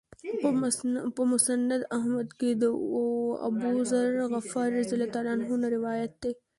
په مسند احمد کې د أبوذر غفاري رضی الله عنه نه روایت دی.